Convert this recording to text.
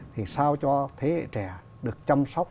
thì sao cho thế hệ trẻ được chăm sóc